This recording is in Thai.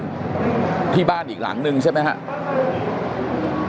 ที่บ้านอีกหลังนึงใช่ไหมครับ